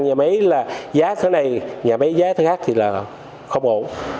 nhà máy là giá thế này nhà máy giá thế khác thì là không ổ